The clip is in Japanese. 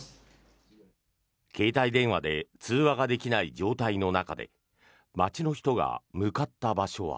携帯電話で通話ができない状態の中で街の人が向かった場所は。